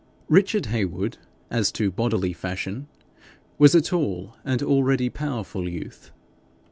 Richard Heywood, as to bodily fashion, was a tall and already powerful youth.